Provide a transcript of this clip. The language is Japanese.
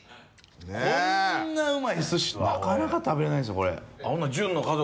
こんなうまい寿司なかなか食べれないっすよこれ。